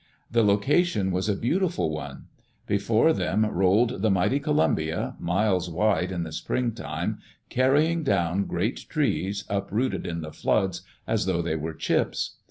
The location was a beautiful one. Before them rolled the mighty Columbia, miles wide in the spring time, car rying down great trees, uprooted in the floods, as though they were chips.